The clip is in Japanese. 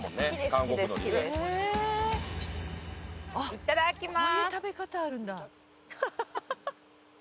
いただきまーす。